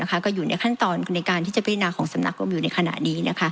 ก็อยู่ในขั้นตอนในการที่จะพิจารณาของสำนักกรมอยู่ในขณะนี้